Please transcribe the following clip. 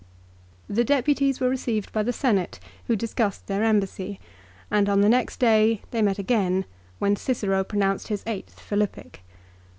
The Deputies were received by the Senate who discussed their embassy, and on the next day they met again when Cicero pronounced his eighth Philippic.